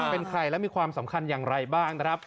เป็นใครและมีความสำคัญอย่างไรบ้างนะครับ